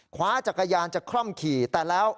คว้าจักรยานจะคล่อมขี่แต่แล้ว